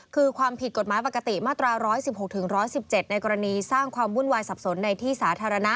คือความผิดกฎหมายปกติมาตรา๑๑๖๑๑๗ในกรณีสร้างความวุ่นวายสับสนในที่สาธารณะ